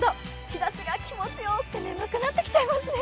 日ざしが気持ちよく、眠くなってきちゃいますね。